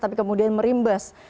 tapi kemudian merimbas